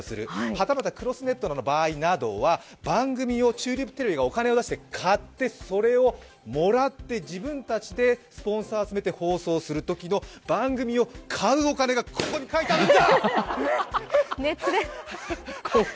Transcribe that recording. はたまたクロスネットの場合などは番組をチューリップテレビがお金を出して買って、それをもらって自分たちでスポンサーを集めて放送するときの番組を買うお金がここに書いてあるんだ！！